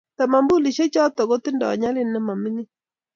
Tamambulishek choto kitindoi nyalil ne maming'in